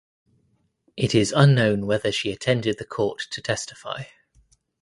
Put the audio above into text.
It is unknown whether she attended the court to testify.